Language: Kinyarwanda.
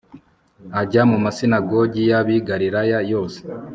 Ajya mu masinagogi y ab i Galilaya yose